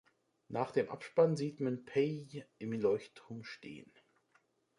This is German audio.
Nach dem Abspann sieht man Pey’j im Leuchtturm stehen.